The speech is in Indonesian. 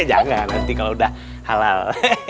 jangan nanti kalau udah halal